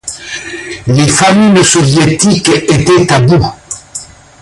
Les famines soviétiques étaient tabous.